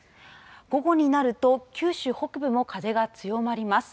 午後になると九州北部も風が強まります。